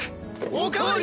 おかわり。